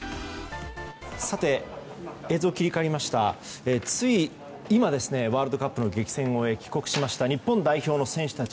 さて、映像切り替わりましたがつい今、ワールドカップの激戦を終え帰国しました日本代表の選手たち